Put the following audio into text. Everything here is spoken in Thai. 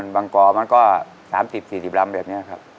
บางกอมันก็๓๐๔๐ลำแบบนี้ครับ